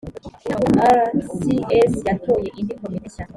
inama nkuru ya rcs yatoye indi komite shya